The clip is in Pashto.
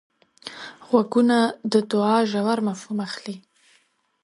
غوږونه د دوعا ژور مفهوم اخلي